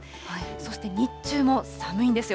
そして日中も寒いんですよ。